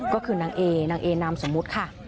ก็คือนักเอนำสมมุติค่ะ